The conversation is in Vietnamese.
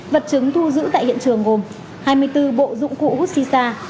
vật chứng thu giữ tại hiện trường gồm hai mươi bốn bộ dụng cụ hút xì xa